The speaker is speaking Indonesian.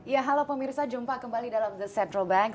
ya halo pemirsa jumpa kembali dalam the central bank